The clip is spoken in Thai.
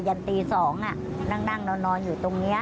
ันตี๒นั่งนอนอยู่ตรงนี้